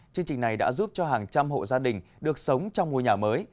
chương trình này đã giúp cho hàng trăm hộ gia đình được sống trong ngôi nhà mới